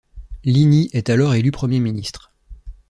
Lini est alors élu Premier ministre.